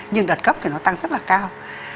nhưng đợt cấp thì nó tăng rất là cao